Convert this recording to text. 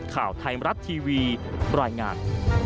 ข่าวไทยมรัฐทีวีรายงาน